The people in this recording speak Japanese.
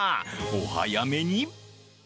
お早めに。